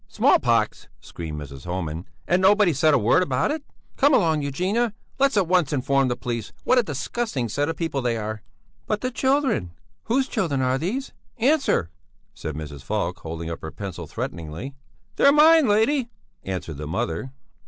"Small pox!" screamed Mrs. Homan, "and nobody said a word about it! Come along Eugenia, let's at once inform the police! What a disgusting set of people they are!" "But the children? Whose children are these? Answer!" said Mrs. Falk, holding up her pencil, threateningly. "They're mine, lady," answered the mother.